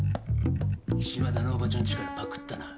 島田のおばちゃんちからパクったな。